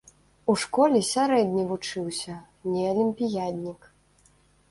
У школе сярэдне вучыўся, не алімпіяднік.